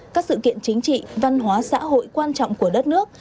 các sự kiện chính trị văn hóa xã hội quan trọng của đất nước